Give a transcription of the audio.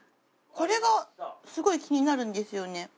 これがすごい気になるんですよね。